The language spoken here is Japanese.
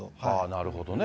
なるほどね。